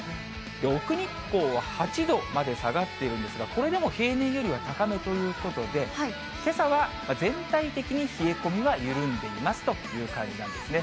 奥日光は８度まで下がっているんですが、これでも平年よりは高めということで、けさは全体的に冷え込みは緩んでいますという感じなんですね。